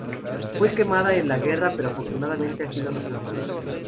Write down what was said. Fue quemada en la guerra pero afortunadamente ha sido reformada.